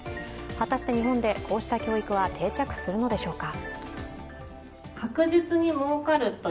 果たして日本でこうした教育は定着するのでしょうか？